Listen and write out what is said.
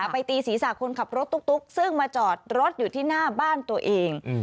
ตีศีรษะคนขับรถตุ๊กซึ่งมาจอดรถอยู่ที่หน้าบ้านตัวเอง